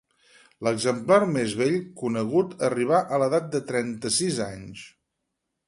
L'exemplar més vell conegut arribà a l'edat de trenta-sis anys.